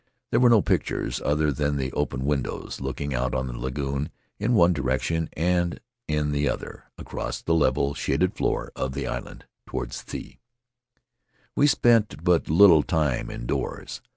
There were no pictures other than the open windows looking out on the lagoon in one direction, and in the other, across the level, shaded floor of the island toward the sea. We spent but little time indoors.